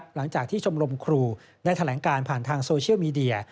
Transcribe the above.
หลังจากที่ชมรมครูได้แถลงการผ่านทางโซเชียลมีเดีย